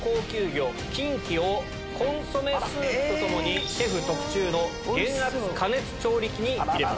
コンソメスープと共にシェフ特注の減圧加熱調理器に入れます。